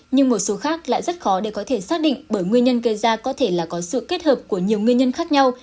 nhưng một số khác lại rất khó để có thể xác định bởi nguyên nhân gây ra có thể là có sự kết hợp của nhiều nguyên nhân khác nhau